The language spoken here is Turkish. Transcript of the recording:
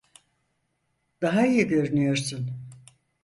Daha iyi görünüyorsun.